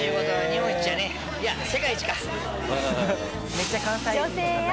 めっちゃ関西人の方や。